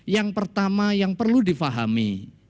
yang pertama yang perlu difahami